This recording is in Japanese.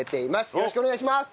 よろしくお願いします。